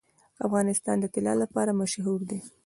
افغانستان د طلا لپاره مشهور دی.